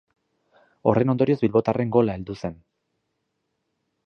Horren ondorioz bilbotarren gola heldu zen.